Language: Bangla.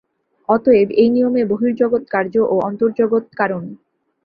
অতএব এই নিয়মে বহির্জগৎ কার্য ও অন্তর্জগৎ কারণ।